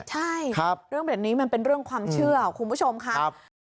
ใช่เรื่องแบบนี้มันเป็นเรื่องความเชื่อคุณผู้ชมค่ะ